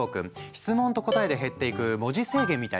質問と答えで減っていく文字制限みたいなものね。